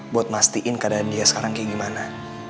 buat mastiin keadaan dia sekarang kayak gimana